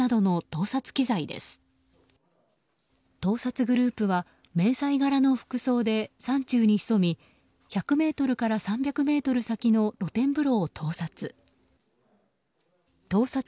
盗撮グループは迷彩柄の服装で山中に潜み１００ｍから３００ｍ先の露天風呂を盗撮。